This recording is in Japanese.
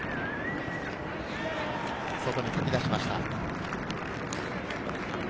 外にかき出しました。